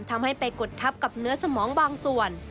ทำให้ไปกดทับกับเนื้อสมองบางส่วน